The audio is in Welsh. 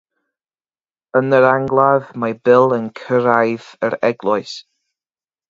Yn yr angladd, mae Bill yn cyrraedd yr eglwys.